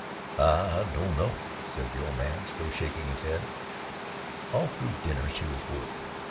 "I don't know," said the old man, still shaking his head. All through dinner she was worried.